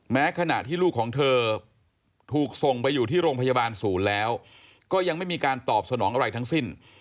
ขณะที่ลูกของเธอถูกส่งไปอยู่ที่โรงพยาบาลศูนย์แล้วก็ยังไม่มีการตอบสนองอะไรทั้งสิ้น